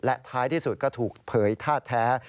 และท้ายที่สุดก็ถูกเผยท่าแท้